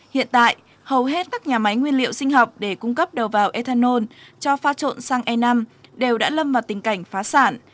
hiện tại hầu hết các nhà máy nguyên liệu sinh học để cung cấp đầu vào ethanol cho pha trộn xăng e năm đều đã lâm vào tình cảnh phá sản